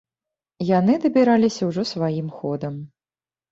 Яны дабіраліся ўжо сваім ходам.